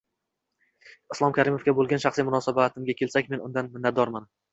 Islom Karimovga bo'lgan shaxsiy munosabatimga kelsak, men undan minnatdorman